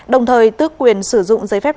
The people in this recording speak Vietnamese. đồng thời tước quyền sử dụng giấy phép